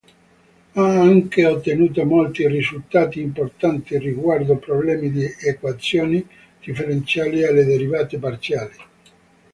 Ha anche ottenuto molti risultati importanti riguardo problemi di equazioni differenziali alle derivate parziali.